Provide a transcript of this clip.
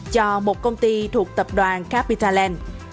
cho một công ty thuộc tập đoàn capitaland